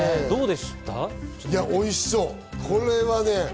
おいしそう。